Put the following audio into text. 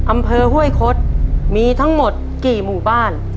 อำเภอห้วยคดมีทั้งหมดกี่หมู่บ้าน